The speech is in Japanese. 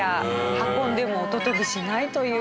運んでも音飛びしないというんです。